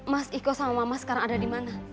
mas iko sama mama sekarang ada di mana